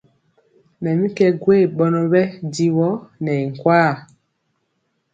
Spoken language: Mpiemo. Mɛ mi kɛ gwee ɓɔnɔ ɓɛ jiwɔ nɛ i nkwaa.